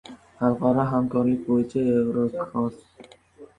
Xalqaro hamkorlik bo‘yicha Yevrokomissar bilan uchrashuv to‘g‘risida